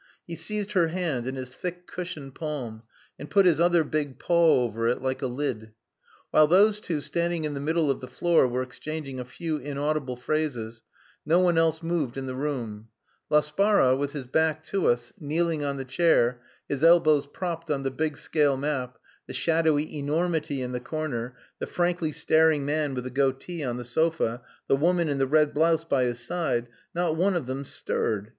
He seized her hand in his thick cushioned palm, and put his other big paw over it like a lid. While those two standing in the middle of the floor were exchanging a few inaudible phrases no one else moved in the room: Laspara, with his back to us, kneeling on the chair, his elbows propped on the big scale map, the shadowy enormity in the corner, the frankly staring man with the goatee on the sofa, the woman in the red blouse by his side not one of them stirred.